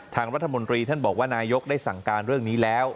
ทางรัฐมนตรีท่านบอกว่านายกได้สั่งการเรื่องนี้แล้ว